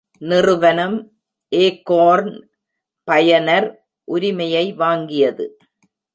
நிறுவனம் ஏகோர்ன் பயனர் உரிமையை வாங்கியது.